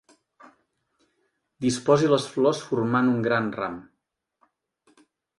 Disposi les flors formant un gran ram.